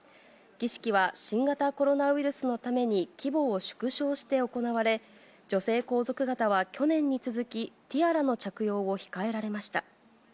儀式は新型コロナウイルスのために規模を縮小して行われ、女性皇族方は去年に続き、ティアラの着用を控えられました。